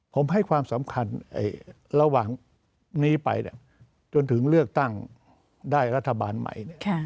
ผมให้ความสำคัญระหว่างนี้ไปจนถึงเลือกตั้งได้รัฐบาลใหม่